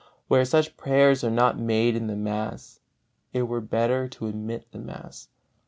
Where such prayers are not made in the mass, it were better to omit the mass.